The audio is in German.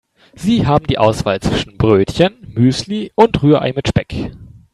Sie haben die Auswahl zwischen Brötchen, Müsli und Rührei mit Speck.